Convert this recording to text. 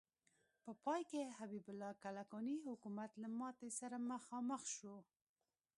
په پای کې حبیب الله کلکاني حکومت له ماتې سره مخامخ شو.